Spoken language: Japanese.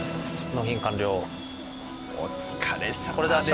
お疲れさまです。